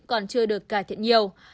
còn chưa được cải thiện nhiều